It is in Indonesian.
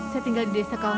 saya tinggal di desa kawaratu